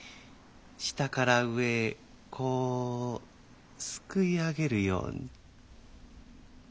下から上へこうすくい上げるように。